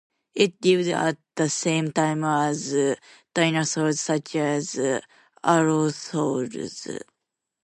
It lived at the same time as dinosaurs such as Allosaurus.